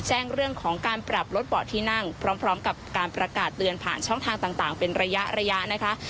แจ้งเรื่องของการปรับลดเบาะที่นั่งพร้อมกับการประกาศเตือนผ่านช่องทางต่างเป็นระยะระยะนะคะ